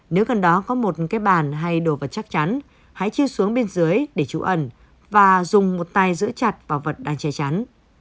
nếu gần đó có một cái bàn hay đồ vật chắc chắn hãy chi xuống bên dưới để trú ẩn và dùng một tay giữ chặt và vật đang che chắn